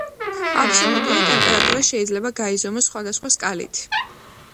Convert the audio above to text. აბსოლუტური ტემპერატურა შეიძლება გაიზომოს სხვადასხვა სკალით.